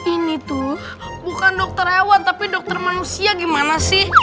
ini tuh bukan dokter hewan tapi dokter manusia gimana sih